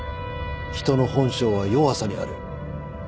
人の本性は弱さにある。